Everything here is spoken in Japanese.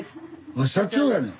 あ社長やねん。